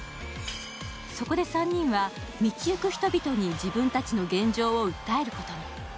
そこで３人は、道行く人々に自分たちの現状を訴えることに。